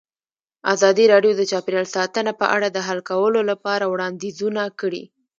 ازادي راډیو د چاپیریال ساتنه په اړه د حل کولو لپاره وړاندیزونه کړي.